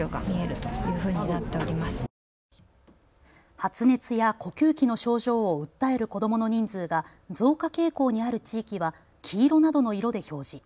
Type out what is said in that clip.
発熱や呼吸器の症状を訴える子どもの人数が増加傾向にある地域は黄色などの色で表示。